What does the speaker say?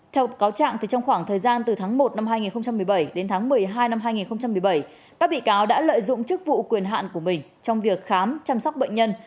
theo cáo trạng trong khoảng thời gian từ tháng một năm hai nghìn một mươi bảy đến tháng một mươi hai năm hai nghìn một mươi bảy các bị cáo đã lợi dụng chức vụ quyền hạn của mình trong việc khám chăm sóc bệnh nhân